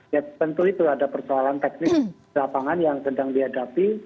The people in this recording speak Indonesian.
ya tentu itu ada persoalan teknis di lapangan yang sedang dihadapi